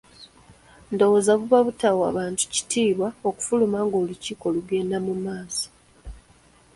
Ndowooza buba butawa bantu kitiibwa okufuluma ng'olukiiko lugenda mu maaso.